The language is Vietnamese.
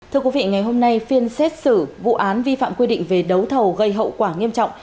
thưa quý vị ngày hôm nay phiên xét xử vụ án vi phạm quy định về đấu thầu gây hậu quả nghiêm trọng